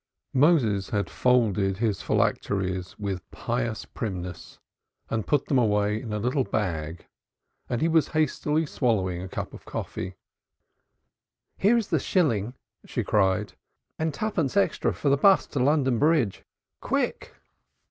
Moses had folded his phylacteries with pious primness and put them away in a little bag, and he was hastily swallowing a cup of coffee. "Here is the shilling," she cried. "And twopence extra for the 'bus to London Bridge. Quick!"